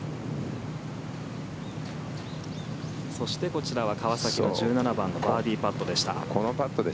そしてこちらは川崎の１７番バーディーパットでした。